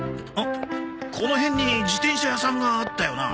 この辺に自転車屋さんがあったよな。